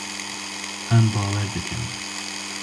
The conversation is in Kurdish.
Em bawer dikin.